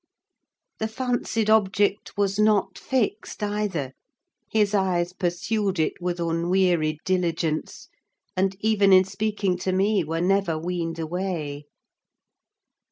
The fancied object was not fixed, either: his eyes pursued it with unwearied diligence, and, even in speaking to me, were never weaned away.